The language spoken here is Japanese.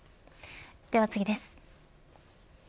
では次です。